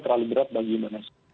terlalu berat bagi indonesia